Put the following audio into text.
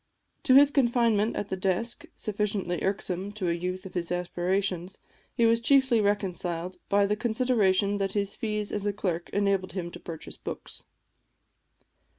To his confinement at the desk, sufficiently irksome to a youth of his aspirations, he was chiefly reconciled by the consideration that his fees as a clerk enabled him to purchase books.